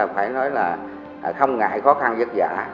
phải nói là không ngại khó khăn vất vả